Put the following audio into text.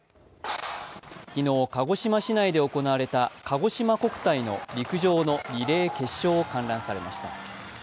昨日、鹿児島市内で行われたかごしま国体の陸上のリレー決勝を観覧されました。